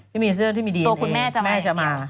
แต่มีเสื้อที่มีดินเองแม่จะมา